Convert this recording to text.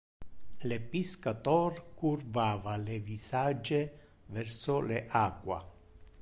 Le piscator curvava le visage verso le aqua.